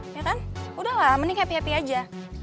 ya kan udah lah mending happy happy aja